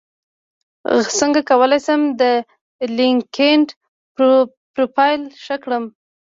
څنګه کولی شم د لینکیډن پروفایل ښه کړم